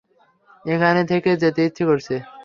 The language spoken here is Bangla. এখানে থেকে যেতে ইচ্ছে করছে।